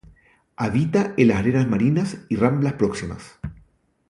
Habita en las arenas marinas y ramblas próximas.